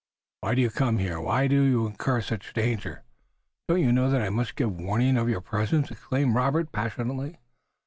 "Why do you come here! Why do you incur such danger? Don't you know that I must give warning of your presence?" exclaimed Robert passionately.